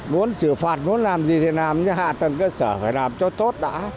muốn xử phạt muốn làm gì thì làm cho hạ tầng cơ sở phải làm cho tốt đã